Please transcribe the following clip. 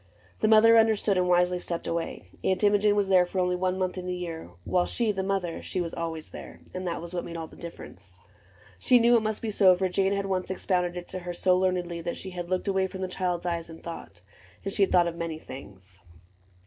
— The mother understood. And wisely stepped away. Aunt Imogen Was there for only one month in the year. While she, the mother, — she was always there ; And that was what made all the difference. She knew it must be so, for Jane had once Expounded it to her so learnedly That she had looked away from the child's eyes And thought ; and she had thought of many things.